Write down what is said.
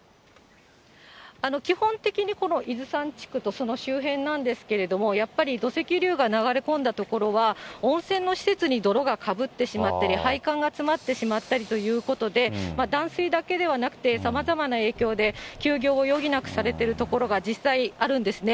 基本的にこの伊豆山地区とその周辺なんですけれども、やっぱり土石流が流れ込んだ所は、温泉の施設に泥がかぶってしまったり、配管が詰まってしまったりということで、断水だけではなくて、さまざまな影響で、休業を余儀なくされている所が実際あるんですね。